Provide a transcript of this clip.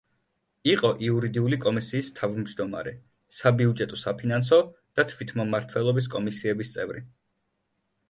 იყო იურდიული კომისიის თავმჯდომარე, საბიუჯეტო-საფინანსო და თვითმმართველობის კომისიების წევრი.